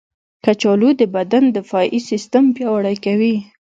کچالو د بدن دفاعي سیستم پیاوړی کوي.